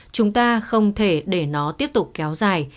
chúng ta không thể để nó tiếp tục kéo dài